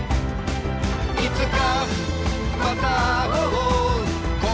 「いつかまた会おう」